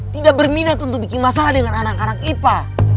tidak berminat untuk bikin masalah dengan anak anak ipa